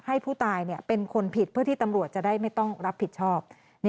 ให้ผู้ตายเป็นคนผิดเพื่อที่ตำรวจจะได้ไม่ต้องรับผิดชอบ